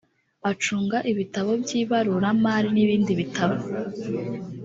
acunga ibitabo by’ibaruramari n’ibindi bitabo